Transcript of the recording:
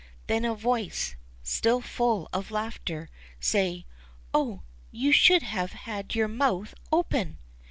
Then a voice, still full of laughter, said, Oh ! you should have had your mouth open